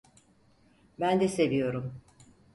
Ben de seviyorum.